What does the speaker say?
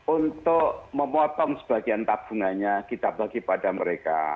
untuk memotong sebagian tabungannya kita bagi pada mereka